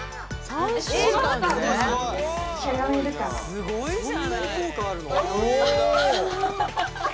すごいね。